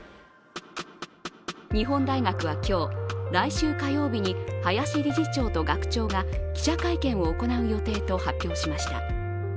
日本大学は今日来週火曜日に林理事長と学長が記者会見を行う予定と発表しました。